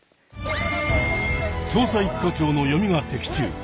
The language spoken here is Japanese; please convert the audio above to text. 捜査一課長の読みが的中。